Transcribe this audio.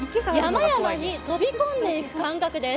山々に飛び込んでいく感覚です。